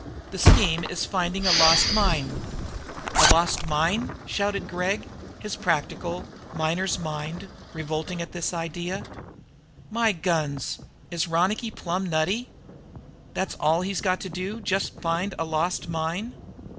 The scheme is to find a lost mine " "A lost mine!" shouted Bill Gregg, his practical miner's mind revolting at this idea. "My guns, is Ronicky plumb nutty? That's all he's got to do just find a 'lost mine?'